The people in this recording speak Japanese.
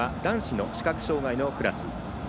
男子の視覚障がいのクラス。